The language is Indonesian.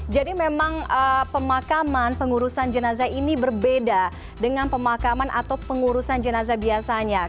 jadi memang pemakaman pengurusan jenazah ini berbeda dengan pemakaman atau pengurusan jenazah biasanya